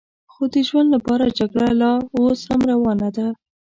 خو د ژوند لپاره جګړه لا اوس هم روانه ده.